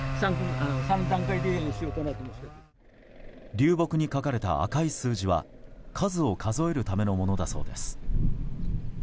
流木に書かれた赤い数字は数を数えるためのものだそうです。